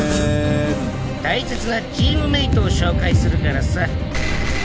大切なチームメートを紹介するからさ。